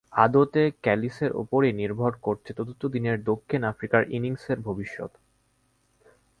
আদতে ক্যালিসের ওপরই নির্ভর করছে চতুর্থ দিনের দক্ষিণ আফ্রিকার ইনিংসের ভবিষ্যত।